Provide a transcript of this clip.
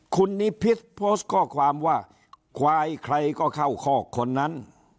คุณนิพิษโพสต์ข้อความว่าควายใครก็เข้าคอกคนนั้น